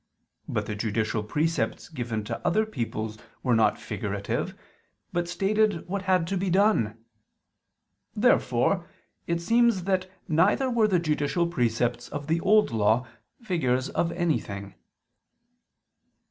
But the judicial precepts given to other peoples were not figurative, but stated what had to be done. Therefore it seems that neither were the judicial precepts of the Old Law figures of anything.